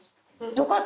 よかった。